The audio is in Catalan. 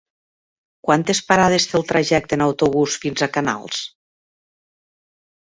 Quantes parades té el trajecte en autobús fins a Canals?